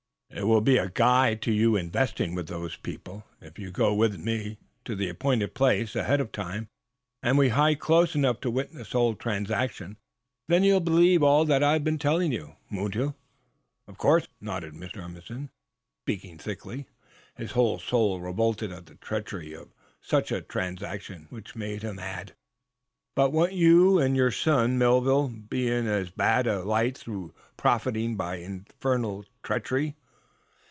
It will be a guide to you in investing with those people. If you go with me, to the appointed place, ahead of time, and we hide close enough to witness the whole transaction, then you'll believe all that I've been telling you, won't you?" "Of course," nodded Mr. Emerson, speaking thickly. His whole soul revolted at the treachery of such a transaction, which made him add: "But won't you and your son, Melville, be in as bad a light through profiting by such infernal treachery?"